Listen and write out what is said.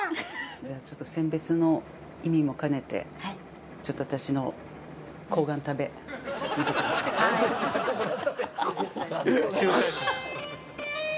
じゃあちょっと餞別の意味も兼ねてちょっと私の睾丸食べ見てください。